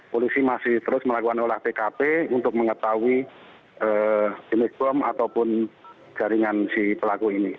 polisi masih terus melakukan olah tkp untuk mengetahui jenis bom ataupun jaringan si pelaku ini